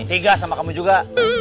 tiga sama kamu juga